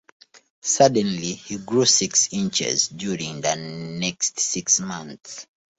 Suddenly, he grew six inches during the next six months.